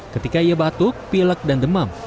ketika ia batuk pilek dan demam